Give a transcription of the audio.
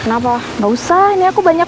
if you waiting dejit